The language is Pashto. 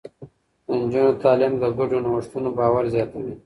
د نجونو تعليم د ګډو نوښتونو باور زياتوي.